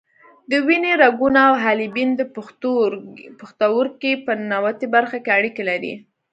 د وینې رګونه او حالبین د پښتورګي په ننوتي برخه کې اړیکې لري.